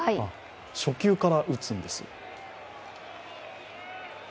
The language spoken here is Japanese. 初球から打つんです。